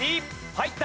入った！